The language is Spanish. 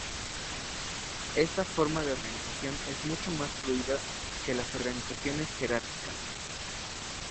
Esta forma de organización es mucho más fluida que las organizaciones jerárquicas.